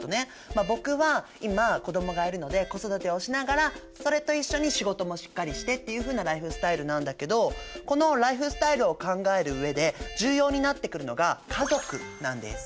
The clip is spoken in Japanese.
まあ僕は今子どもがいるので子育てをしながらそれと一緒に仕事もしっかりしてっていうふうなライフスタイルなんだけどこのライフスタイルを考える上で重要になってくるのが「家族」なんです。